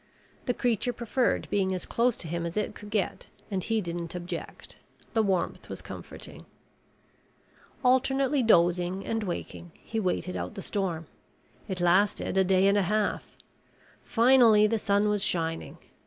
The creature preferred being as close to him as it could get and he didn't object. The warmth was comforting. Alternately dozing and waking he waited out the storm. It lasted a day and a half. Finally the sun was shining.